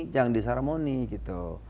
jangan disharmoni gitu